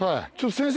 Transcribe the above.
先生